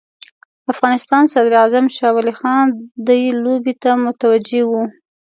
افغانستان صدراعظم شاه ولي خان دې لوبې ته متوجه وو.